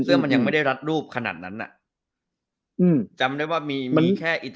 เสื้อมันยังไม่ได้รัดรูปขนาดนั้นอ่ะอืมจำได้ว่ามีมันแค่อิด